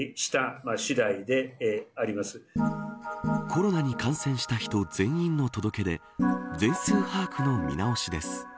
コロナに感染した人全員の届け出全数把握の見直しです。